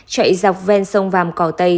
chạy dọc ven sông vàm cỏ tây